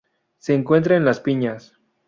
Se encuentra en las piñas.